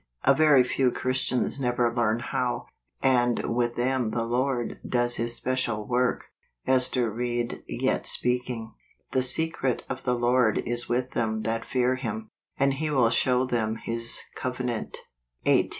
A very few Christians never learn how, and with them the Lord does his special work." Ester Ried Yet Speaking. " The secret of the Lord is with them that fear him; and he will show them his covenant " 5G MAY.